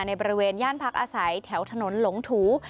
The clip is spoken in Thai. ในบริเวณย่านพักอาศัยแถวถนนหลงถู